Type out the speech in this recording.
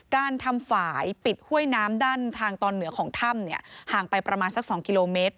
การทำฝ่ายปิดห้วยน้ำด้านทางตอนเหนือของถ้ำห่างไปประมาณสัก๒กิโลเมตร